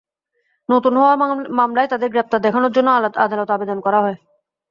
নতুন হওয়া মামলায় তাঁদের গ্রেপ্তার দেখানোর জন্য আদালতে আবেদন করা হবে।